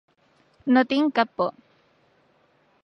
No tinc cap por.